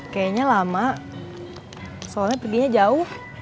kayaknya lama soalnya perginya jauh